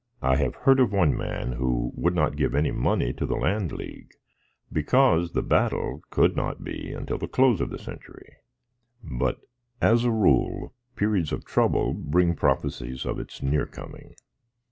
I have heard of one man who would not give any money to the Land League, because the Battle could not be until the close of the century; but, as a rule, periods of trouble bring prophecies of its near coming.